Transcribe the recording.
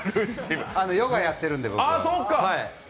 ヨガやってるんで、僕。